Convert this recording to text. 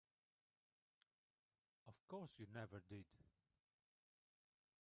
Of course you never did.